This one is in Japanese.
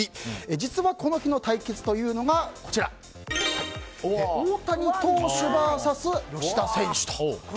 実は、この日の対決が大谷投手ＶＳ吉田選手と。